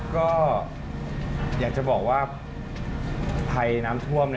ก็อยากจะบอกว่าภัยน้ำท่วม